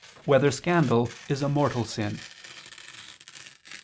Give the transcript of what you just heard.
4] Whether Scandal Is a Mortal Sin?